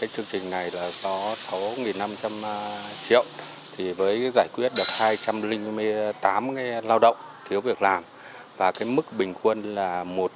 thì năm trăm linh triệu thì với giải quyết được hai trăm linh tám nghe lao động thiếu việc làm và cái mức bình quân là một